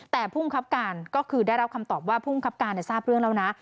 แต่ผู้บังคับการก็คือได้รับคำตอบว่าภูมิครับการทราบเรื่องแล้วนะ